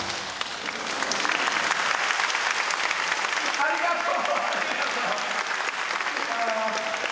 ありがとう！